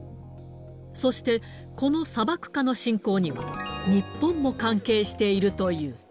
そして、この砂漠化の進行には、日本も関係しているという。